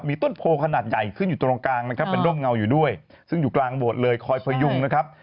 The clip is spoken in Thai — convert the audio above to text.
มีต้นโพขนาดใหญ่ขึ้นอยู่ตรงกลางนะครับเป็นร่มเงาอยู่ด้วยซึ่งอยู่กลางโบสถ์เลยคอยพยุงนะครับ